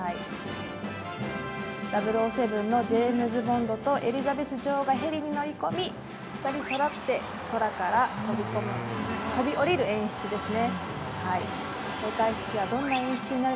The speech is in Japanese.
「００７」のジェームズ・ボンドとエリザベス女王がヘリに乗り込み２人そろって空から飛び降りる演出ですね。